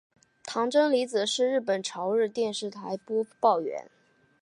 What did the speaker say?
堂真理子是日本朝日电视台播报员。